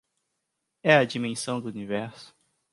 É a dimensão do universo.